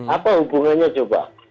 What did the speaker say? apa hubungannya coba